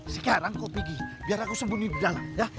sekarang kau pergi biar aku sembunyi di dalam